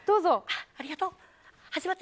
ありがとう。